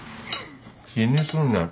気にすんなよ。